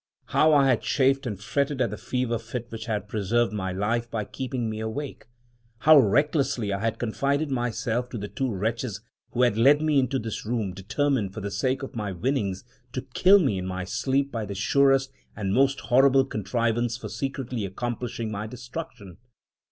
How I had chafed and fretted at the fever fit which had preserved my life by keeping me awake! How recklessly I had confided myself to the two wretches who had led me into this room, determined, for the sake of my winnings, to kill me in my sleep by the surest and most horrible contrivance for secretly accomplishing my destruction!